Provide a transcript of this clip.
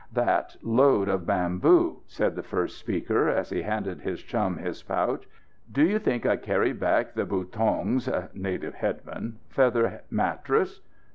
"That load of bamboo!" said the first speaker, as he handed his chum his pouch. "Do you think I carried back the buthuong's (native headman) feather mattress?